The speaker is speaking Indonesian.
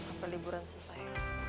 sampai liburan selesai